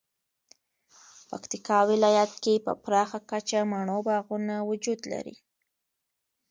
پکتیکا ولایت کې په پراخه کچه مڼو باغونه وجود لري